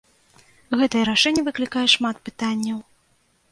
Гэтае рашэнне выклікае шмат пытанняў.